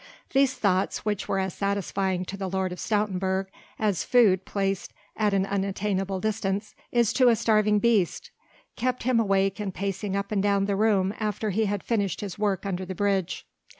These thoughts, which were as satisfying to the Lord of Stoutenburg as food placed at an unattainable distance is to a starving beast, kept him awake and pacing up and down the room after he had finished his work under the bridge.